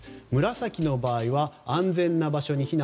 紫の場合は安全な場所に避難。